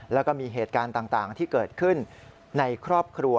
แล้วก็มีเหตุการณ์ต่างที่เกิดขึ้นในครอบครัว